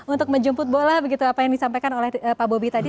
untuk menjemput bola begitu apa yang disampaikan oleh pak bobi tadi